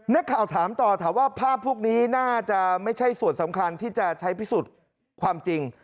นักข่าวถามต่อถามว่าภาพพวกนี้น่าจะไม่ใช่ส่วนสำคัญที่จะใช้พิสูจน์ความจริง